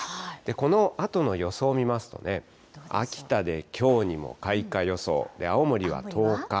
このあとの予想見ますとね、秋田できょうにも開花予想、青森は１０日。